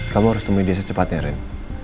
kamu harus temui dia secepatnya rin